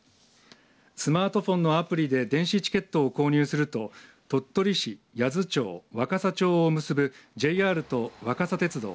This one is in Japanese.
スマートフォンのアプリで電子チケットを購入すると鳥取市、八頭町若桜町を結ぶＪＲと若桜鉄道